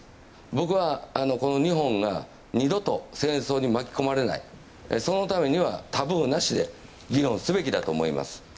僕は、この日本が二度と戦争に巻き込まれないそのためにはタブーなしで議論すべきだと思います。